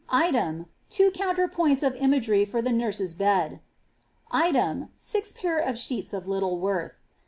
Item, 2 counterpoints of imagery for the nursei hhd. Item, 6 pair of sheets of little worth.